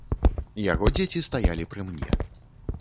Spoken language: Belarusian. Яго дзеці стаялі пры мне.